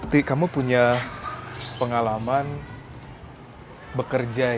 t kamu punya pengalaman bekerja ya